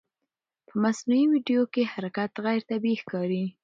په مصنوعي ویډیو کې حرکت غیر طبیعي ښکاري.